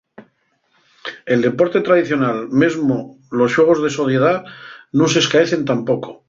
El deporte tradicional, mesmo los xuegos de sociedá, nun s'escaecen tampoco.